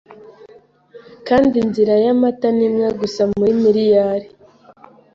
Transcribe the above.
kandi Inzira y'Amata ni imwe gusa muri miliyari